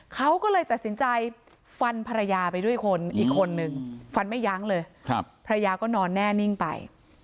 เขาก็เลยตัดสินใจฟันภรรยาไปด้วยคนอีกคนนึงฟันไม่ยั้งเลยภรรยาก็นอนแน่นิ่งไป